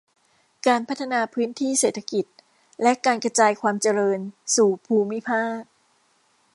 การพัฒนาพื้นที่เศรษฐกิจและการกระจายความเจริญสู่ภูมิภาค